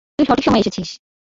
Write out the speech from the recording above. তুই সঠিক সময়ে এসেছিস।